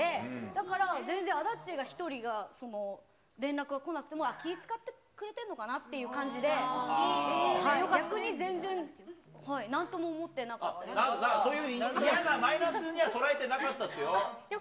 だから全然あだっちー１人が連絡が来なくても、気遣ってくれてるのかなという感じで、逆に全然なんとも思ってなかそういう、嫌な、マイナスには捉えてなかったってよ？